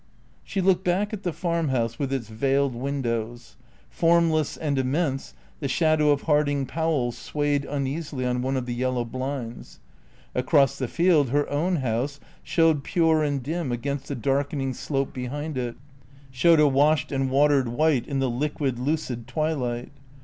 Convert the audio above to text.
She looked back at the farm house with its veiled windows. Formless and immense, the shadow of Harding Powell swayed uneasily on one of the yellow blinds. Across the field her own house showed pure and dim against the darkening slope behind it, showed a washed and watered white in the liquid, lucid twilight.